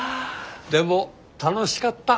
でも楽しかった。